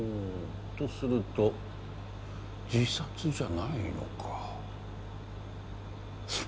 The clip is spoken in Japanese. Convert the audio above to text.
とすると自殺じゃないのか。